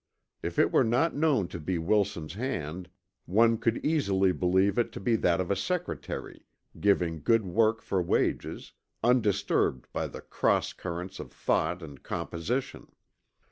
If it were not known to be Wilson's hand one could easily believe it to be that of a secretary, giving good work for wages, undisturbed by the cross currents of thought and composition.